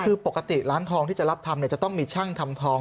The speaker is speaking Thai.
คือปกติร้านทองที่จะรับทำจะต้องมีช่างทำทอง